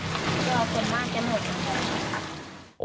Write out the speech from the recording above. ก็เอาคนมากกันหมดครับ